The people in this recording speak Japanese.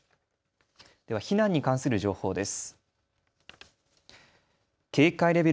避難に関する情報です。